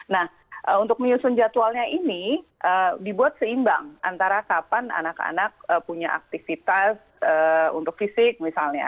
nah untuk menyusun jadwalnya ini dibuat seimbang antara kapan anak anak punya aktivitas untuk fisik misalnya